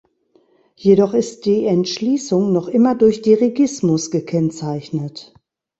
Jedoch ist die Entschließung noch immer durch Dirigismus gekennzeichnet.